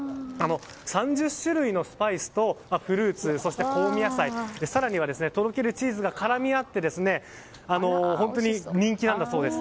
３０種類のスパイスとフルーツそして香味野菜更にはとろけるチーズが絡み合って本当に人気なんだそうです。